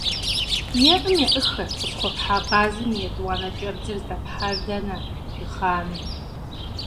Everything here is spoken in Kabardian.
- ЕӀым-еӀыххэ, къысхуэпхьа къазым и етӀуанэ кӀэбдзыр здэпхьар дэнэ? – жи хъаным.